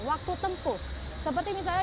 waktu tempuh seperti misalnya